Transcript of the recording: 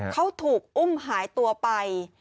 เขาถูกอุ้มหายตัวไป